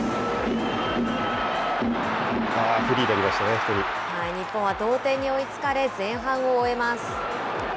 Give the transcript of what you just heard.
フリーでいましたね、日本は同点に追いつかれ、前半を終えます。